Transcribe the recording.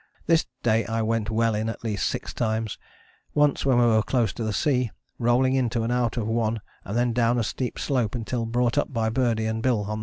This day I went well in at least six times; once, when we were close to the sea, rolling into and out of one and then down a steep slope until brought up by Birdie and Bill on the rope.